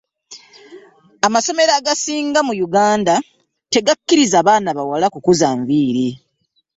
Amasomero agasinga mu Uganda tegakiriza baana bawala ku kuza nviri.